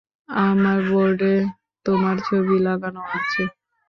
আমার বোর্ডে তোমার ছবি লাগানো আছে!